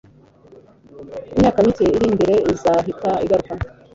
imyaka mike iri imbere izahita iguruka